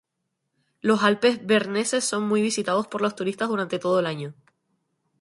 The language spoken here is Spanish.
Los Alpes berneses son muy visitados por los turistas durante todo el año.